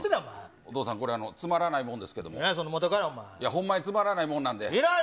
お父さん、これ、つまらないもんなんですけどほんまにつまらないものなんで。